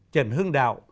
trần hưng đạo